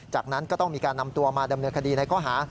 จากนั้นก็ต้องมีการนำตัวมาดำเนินคดีในข้อหา